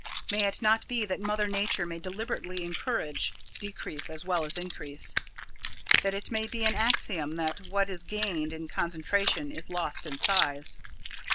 May it not be that Mother Nature may deliberately encourage decrease as well as increase that it may be an axiom that what is gained in concentration is lost in size?